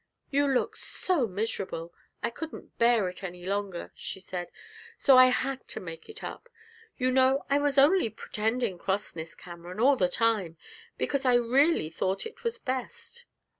'You look so miserable, I couldn't bear it any longer,' she said, 'so I had to make it up. You know, I was only pretending crossness, Cameron, all the time, because I really thought it was best.